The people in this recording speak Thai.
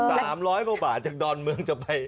เอ่อยกดอนเมืองจะไป